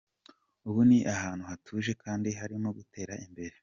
Ubu ni ahantu hatuje, kandi harimo gutera imbere.